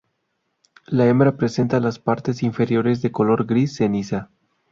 La hembra presenta las partes inferiores de color gris ceniza.